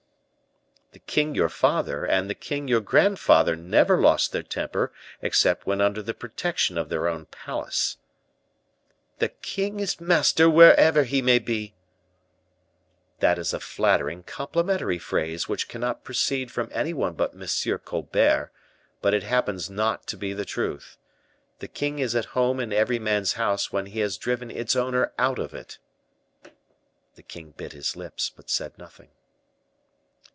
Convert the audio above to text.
"The king your father and the king your grandfather never lost their temper except when under the protection of their own palace." "The king is master wherever he may be." "That is a flattering, complimentary phrase which cannot proceed from any one but M. Colbert; but it happens not to be the truth. The king is at home in every man's house when he has driven its owner out of it." The king bit his lips, but said nothing.